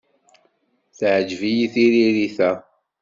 Teɛǧeb-iyi tririt-a.